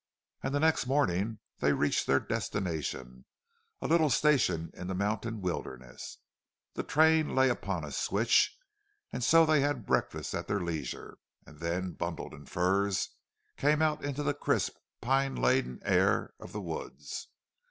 And the next morning they reached their destination, a little station in the mountain wilderness. The train lay upon a switch, and so they had breakfast at their leisure, and then, bundled in furs, came out into the crisp pine laden air of the woods.